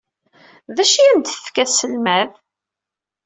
D acu ay am-d-tefka tselmadt?